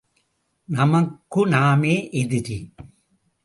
நமக்கு நாமே எதிரி!